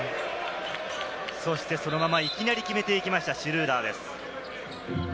そのままいきなり決めていきました、シュルーダーです。